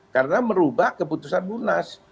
karena merubah keputusan munas